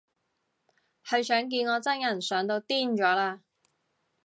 佢想見我真人想到癲咗喇